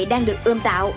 đang được ươm tạo